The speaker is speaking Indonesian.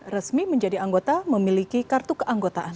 resmi menjadi anggota memiliki kartu keanggotaan